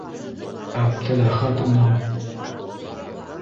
Әптеләхәт уның: